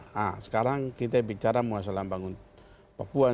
nah sekarang kita bicara mengasal pembangunan